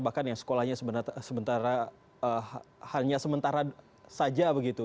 bahkan yang sekolahnya sementara hanya sementara saja begitu